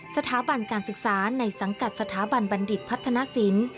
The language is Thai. สถาบันการศึกษาในสังกัดสถาบันบัณฑิตพัฒนศิลป์